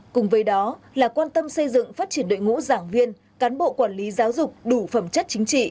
cùng với đó là quan tâm xây dựng phát triển đội ngũ giảng viên cán bộ quản lý giáo dục đủ phẩm chất chính trị